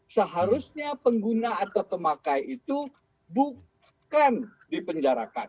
seharusnya pengguna atau pemakai itu bukan dipenjarakan